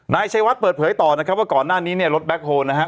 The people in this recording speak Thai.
นายชัยวัดเปิดเผยต่อนะครับว่าก่อนหน้านี้เนี่ยรถแบ็คโฮลนะฮะ